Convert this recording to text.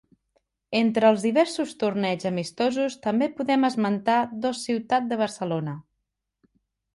Entre els diversos torneigs amistosos també podem esmentar dos Ciutat de Barcelona.